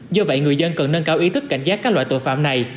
do vậy người dân cần nâng cao ý thức cảnh giác các loại tội phạm này